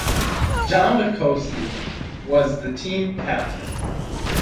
John Witkowski was the team captain.